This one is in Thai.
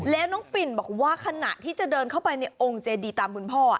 แล้วน้องปิ่นบอกว่าขณะที่จะเดินเข้าไปในองค์เจดีตามคุณพ่อ